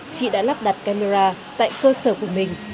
chị đã lắp đặt camera tại cơ sở của mình